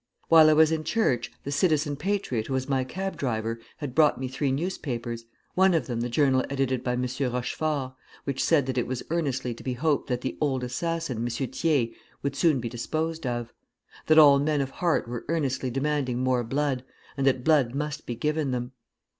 While I was in church, the citizen patriot who was my cab driver, had brought me three newspapers, one of them the journal edited by M. Rochefort, which said that it was earnestly to be hoped that the 'old assassin' M. Thiers would soon be disposed of; that all men of heart were earnestly demanding more blood, and that blood must be given them.